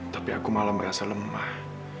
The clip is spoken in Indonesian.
tapi aku malah merasa lemah